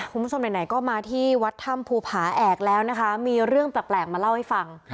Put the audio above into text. คุณผู้ชมไหนก็มาที่วัดถ้ำภูผาแอกแล้วนะคะมีเรื่องแปลกมาเล่าให้ฟัง